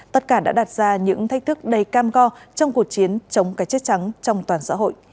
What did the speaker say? tất cả đã đặt ra những thách thức đầy cam go trong cuộc chiến chống cái chết trắng trong toàn xã hội